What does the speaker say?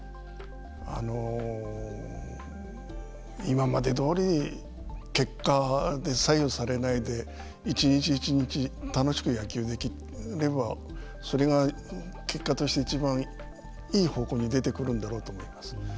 あの今までどおり結果で左右されないで一日一日楽しく野球できればそれが結果としていちばんいい方向に出てくるんだろうと思います。